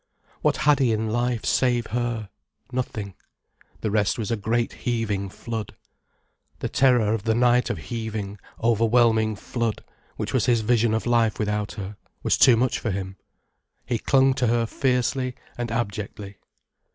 What had he in life, save her? Nothing. The rest was a great heaving flood. The terror of the night of heaving, overwhelming flood, which was his vision of life without her, was too much for him. He clung to her fiercely and abjectly.